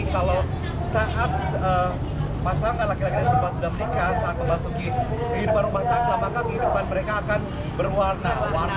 kalau saat pasangan laki laki dan perempuan sudah menikah saat memasuki kehidupan rumah tangga maka kehidupan mereka akan berwarna